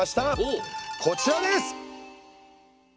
こちらです！